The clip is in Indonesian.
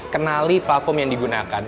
kenali platform yang digunakan